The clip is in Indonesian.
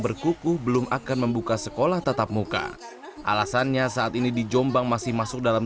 berkukuh belum akan membuka sekolah tatap muka alasannya saat ini di jombang masih masuk dalam